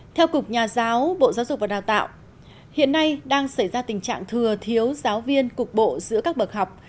theo cục nhà giáo bộ giáo dục và đào tạo hiện nay đang xảy ra tình trạng thừa thiếu giáo viên cục bộ giữa các bậc học